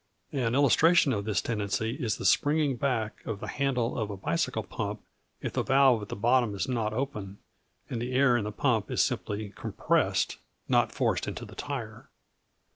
An illustration of this tendency is the springing back of the handle of a bicycle pump if the valve at the bottom is not open, and the air in the pump is simply compressed, not forced into the tire.